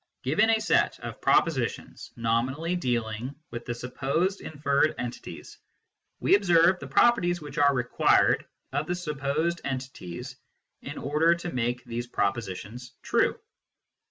Given a set of propositions nominally dealing with the supposed inferred entities, we observe the properties which are required of the supposed entities in order to make these propositions true.